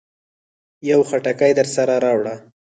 يو خټکی درسره راوړه.